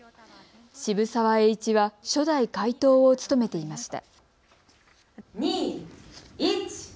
渋沢栄一は初代会頭を務めていました。